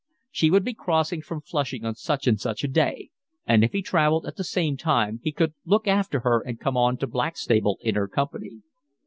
She would be crossing from Flushing on such and such a day, and if he travelled at the same time he could look after her and come on to Blackstable in her company.